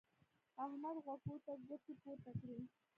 احمد غوږو ته ګوتې پورته کړې.